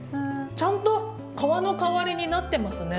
ちゃんと皮の代わりになってますね。